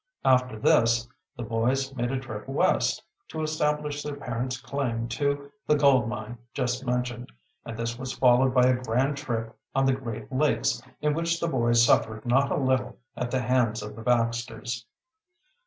After this the boys made a trip West to establish their parent's claim to the gold mine just mentioned, and this was followed by a grand trip on the Great Lakes in which the boys suffered not a little at the hands of the Baxters.